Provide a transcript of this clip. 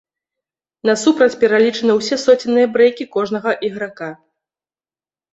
Насупраць пералічаны ўсе соценныя брэйкі кожнага іграка.